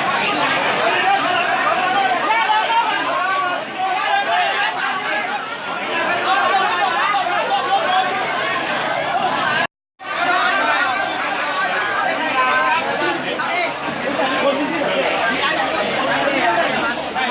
อัศวินิสัตว์อัศวินิสัตว์อัศวินิสัตว์